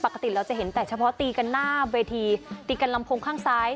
ปกติเราจะเห็นแต่เฉพาะตีกันหน้าเวทีตีกันลำโพงข้างซ้าย